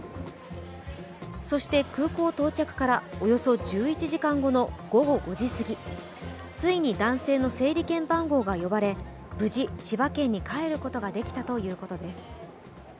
そして空港到着からおよそ１１時間後の午後５時すぎついに男性の整理券番号が呼ばれ無事、千葉県に帰ることができたということです。